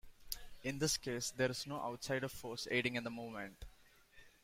In this case, there is no outside force aiding in the movement.